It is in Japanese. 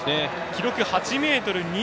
記録８ｍ２１。